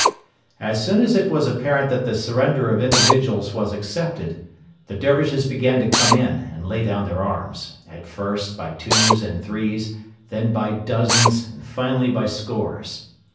As soon as it was apparent that the surrender of individuals was accepted, the Dervishes began to come in and lay down their arms at first by twos and threes, then by dozens, and finally by scores.